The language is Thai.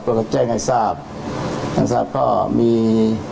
ก็แจ้งให้ทราบกันทราบก็มี